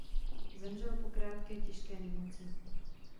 Zemřel po krátké těžké nemoci.